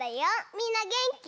みんなげんき？